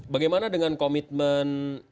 bagaimana dengan komitmen